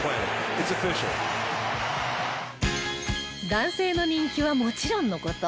男性の人気はもちろんのこと